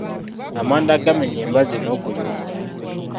Amanda agamenya embazzi n'okuyunga.